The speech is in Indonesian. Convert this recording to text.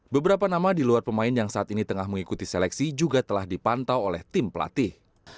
beberapa nama di luar pemain yang saat ini tengah mengikuti seleksi juga telah dipantau oleh tim pelatih